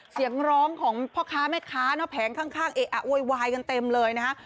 เสียงร้องของพ่อค้าแม่ค้านะแผงข้างเอะอะโวยวายกันเต็มเลยนะฮะ